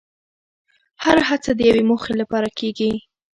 هره هڅه د یوې موخې لپاره کېږي.